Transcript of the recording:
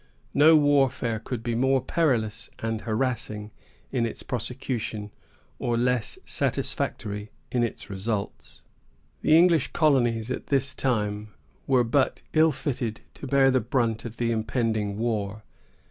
No warfare could be more perilous and harassing in its prosecution, or less satisfactory in its results. The English colonies at this time were but ill fitted to bear the brunt of the impending war.